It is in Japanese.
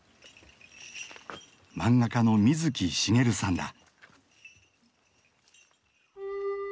漫画家の水木しげるさんだ。